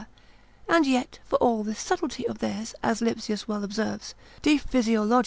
And yet for all this subtlety of theirs, as Lipsius well observes, Physiolog.